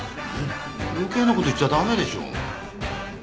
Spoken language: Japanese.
余計な事言っちゃ駄目でしょう。